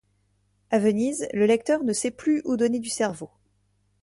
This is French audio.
A Venise, le lecteur ne sait plus où donner du cerveau.